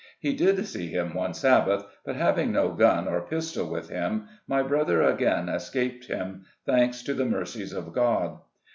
He did see him one Sabbath, but having no gun or pistol with him, my brother again escaped him, thanks to the mercies of God.